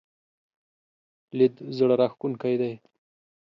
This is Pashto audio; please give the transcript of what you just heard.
لید زړه راښکونکی دی.